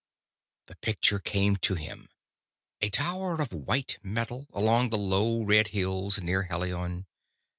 The picture came to him. A tower of white metal, among the low red hills near Helion.